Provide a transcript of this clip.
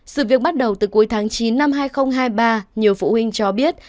sự việc bắt đầu từ cuối tháng chín năm hai nghìn hai mươi ba nhiều phụ huynh cho biết